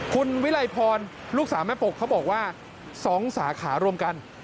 คุณวิลัยพรพันธ์ลูกสาวแม่ปุกเขาบอกว่า๒สาขาร่วมกัน